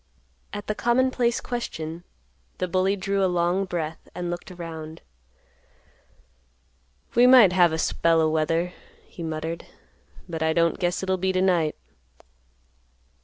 At the commonplace question, the bully drew a long breath and looked around. "We might have a spell o' weather," he muttered; "but I don't guess it'll be t'night."